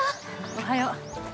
おはよう。